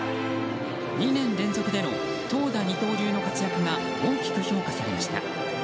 ２年連続での投打二刀流の活躍が大きく評価されました。